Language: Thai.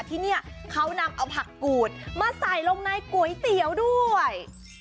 ที่นี่เขานำเอาผักกูดมาใส่ลงในก๋วยเตี๋ยวด้วย